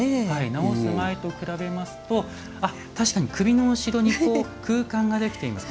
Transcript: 直す前と比べますと確かに首の後ろに空間ができています。